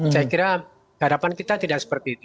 saya kira harapan kita tidak seperti itu